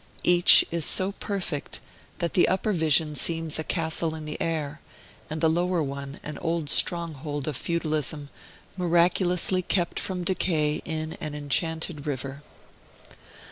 Each is so perfect, that the upper vision seems a castle in the air, and the lower one an old stronghold of feudalism, miraculously kept from decay in an enchanted river.